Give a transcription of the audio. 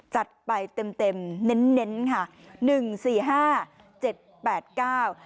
จัดไปเต็มเน้นค่ะ๑๔๕๗๘๙